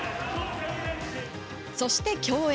そして、競泳。